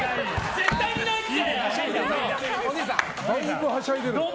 絶対にないって！